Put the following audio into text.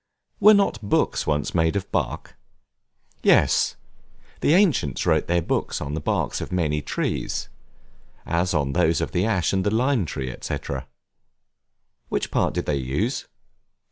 Were not books once made of Bark? Yes, the ancients wrote their books on the barks of many trees, as on those of the ash and the lime tree, &c. Which part did they use?